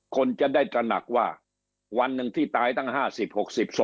คนจะได้ตระหนักว่าวันหนึ่งที่ตายตั้ง๕๐๖๐ศพ